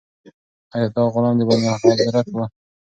آیا دا غلام د بني غاضرة و؟